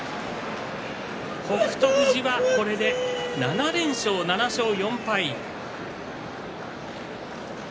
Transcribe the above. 富士はこれで７連勝、７勝４敗です。